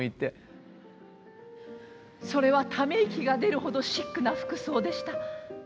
それはため息が出るほどシックな服装でした。